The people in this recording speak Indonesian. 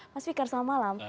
mas fikar selamat malam